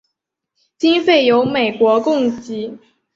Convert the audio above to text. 经费由美国供给。